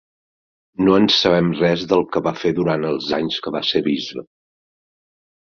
No en sabem res del que va fer durant els anys que va ser bisbe.